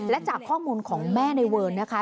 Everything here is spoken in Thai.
และจากข้อมูลของแม่ในเวิร์นนะคะ